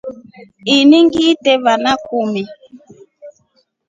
Ini ngite vana ikumi.